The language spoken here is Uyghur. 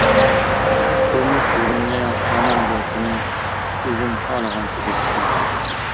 تۇرمۇش يولۇمنى ھامان بىر كۈنى ئۆزۈم خالىغانچە بېكىتىمەن.